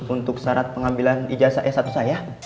untuk syarat pengambilan ijazah s satu saya